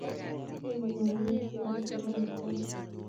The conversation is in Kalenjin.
Rongu mwanik tugul chebo mutai